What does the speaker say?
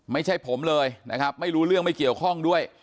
ไม่ใช่ผมเลยนะครับไม่รู้เรื่องไม่เกี่ยวข้องด้วย